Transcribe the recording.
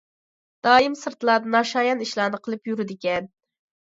دائىم سىرتلاردا ناشايان ئىشلارنى قىلىپ يۈرىدىكەن.